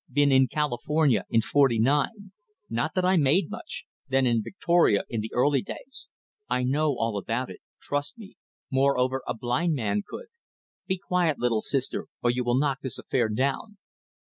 ... Been in California in forty nine. ... Not that I made much ... then in Victoria in the early days .... I know all about it. Trust me. Moreover a blind man could ... Be quiet, little sister, or you will knock this affair down.